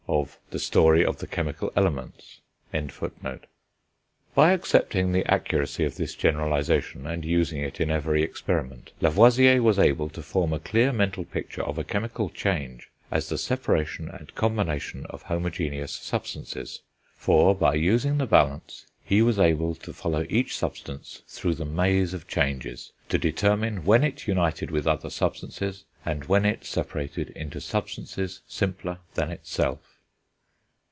of The Story of the Chemical Elements. By accepting the accuracy of this generalisation, and using it in every experiment, Lavoisier was able to form a clear mental picture of a chemical change as the separation and combination of homogeneous substances; for, by using the balance, he was able to follow each substance through the maze of changes, to determine when it united with other substances, and when it separated into substances simpler than itself.